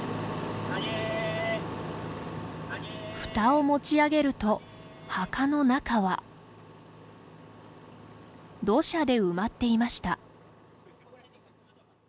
ふたを持ち上げると、墓の中は土砂で埋まっていました。